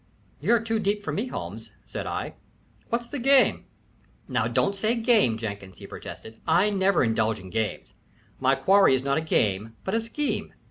"You're too deep for me, Holmes," said I. "What's the game?" "Now don't say game, Jenkins," he protested. "I never indulge in games. My quarry is not a game, but a scheme.